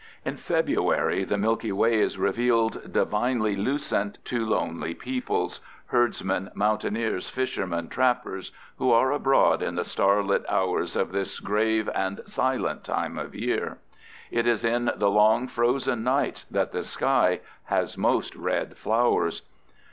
In February the Milky Way is revealed divinely lucent to lonely peoples—herdsmen, mountaineers, fishermen, trappers—who are abroad in the starlight hours of this grave and silent time of year. It is in the long, frozen nights that the sky has most red flowers.